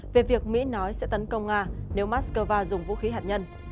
về việc mỹ nói sẽ tấn công nga nếu moscow dùng vũ khí hạt nhân